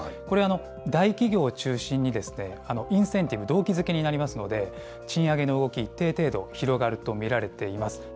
これ、大企業を中心に、インセンティブ、動機づけになりますので、賃上げの動き、一定程度広がると見られています。